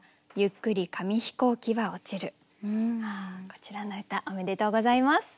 こちらの歌おめでとうございます。